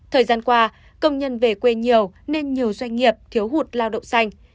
thời gian qua công nhân về quê nhiều nên nhiều doanh nghiệp thiếu hụt lao động xanh